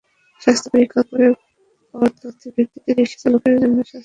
স্বাস্থ্য পরীক্ষা করে পাওয়া তথ্যের ভিত্তিতে রিকশাচালকদের জন্য স্বাস্থ্য ডেটাবেইস তৈরি করা হয়েছে।